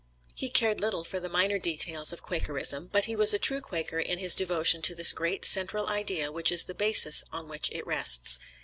He cared little for the minor details of Quakerism, but he was a true Quaker in his devotion to this great central idea which is the basis on which it rests.